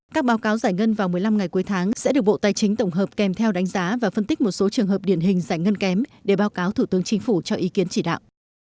các báo cáo giải ngân vào một mươi năm ngày cuối tháng sẽ được bộ tài chính tổng hợp kèm theo đánh giá và phân tích một số trường hợp điển hình giải ngân kém để báo cáo thủ tướng chính phủ cho ý kiến chỉ đạo